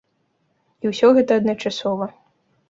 І ўсё гэта адначасова.